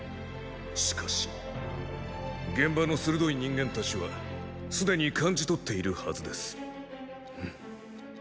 しかし現場の鋭い人間たちはすでに感じ取っているはずです。